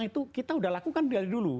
itu kita sudah lakukan dari dulu